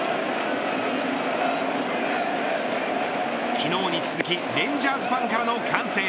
昨日に続きレンジャーズファンからの歓声。